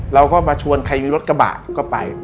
เราก็มาชวนใครมีรถกระบะก็ไป